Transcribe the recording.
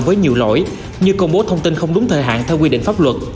với nhiều lỗi như công bố thông tin không đúng thời hạn theo quy định pháp luật